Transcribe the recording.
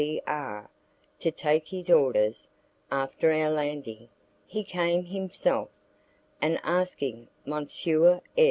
D R , to take his orders, after our landing, he came himself, and after asking M.